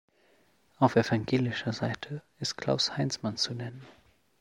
Auf evangelischer Seite ist Klaus Heizmann zu nennen.